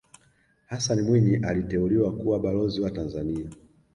hassan mwinyi aliteuliwa kuwa balozi wa tanzania